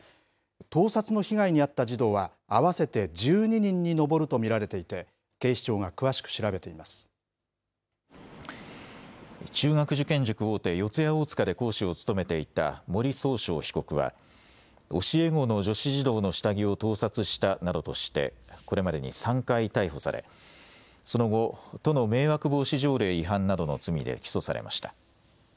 盗撮の被害に遭った児童は、合わせて１２人に上ると見られていて、警視庁が詳しく調べていま中学受験塾大手、四谷大塚で講師を務めていた森崇翔被告は、教え子の女子児童の下着を盗撮したなどとして、これまでに３回逮捕され、その後、都の迷惑防止条例違反などの罪で起訴されました。